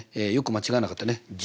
よく間違わなかったね。